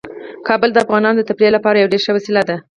کابل د افغانانو د تفریح لپاره یوه ډیره ښه وسیله ده.